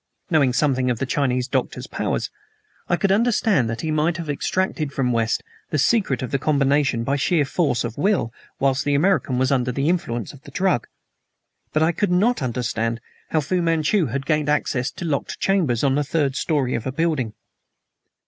Knowing something of the Chinese doctor's powers, I could understand that he might have extracted from West the secret of the combination by sheer force of will whilst the American was under the influence of the drug. But I could not understand how Fu Manchu had gained access to locked chambers on the third story of a building.